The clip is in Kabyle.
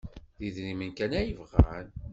D idrimen kan ay bɣan.